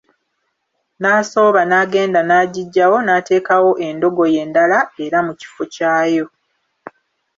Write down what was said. N'asooba n'agenda n'agiggyawo n'ateekawo endogoyi endala era mu kifo kyayo.